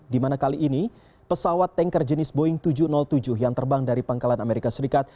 di mana kali ini pesawat tanker jenis boeing tujuh ratus tujuh yang terbang dari pangkalan amerika serikat